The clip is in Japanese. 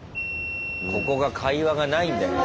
ここが会話がないんだよね。